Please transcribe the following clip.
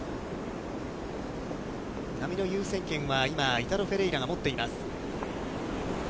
波の優先権は今、イタロ・フェレイラが持っています。